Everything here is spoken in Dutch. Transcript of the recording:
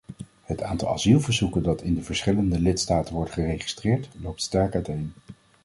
Het aantal asielverzoeken dat in de verschillende lidstaten wordt geregistreerd, loopt sterk uiteen.